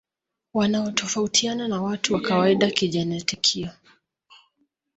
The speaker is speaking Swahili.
Wanatofautiana na watu wa kawaida kijenetikia